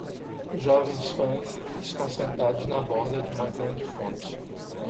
Jovens fãs estão sentados na borda de uma grande fonte.